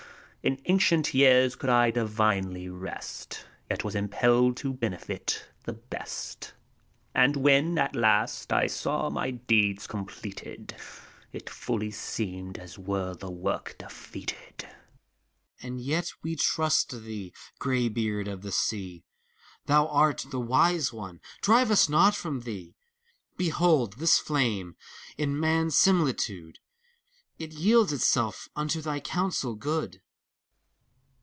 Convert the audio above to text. In ancient years could I divinely rest. Yet was impelled to benefit the Best; And when, at last, I saw my deeds completed, It fully seemed as were the work defeated. THALES. And yet we trust thee, Graybeard of the Sea I Thou art the Wise One : drive us not from thee I Behold this Flame, in man's similitude: It yields itself unto thy counsel good.